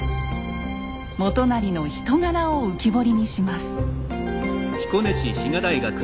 元就の人柄を浮き彫りにします。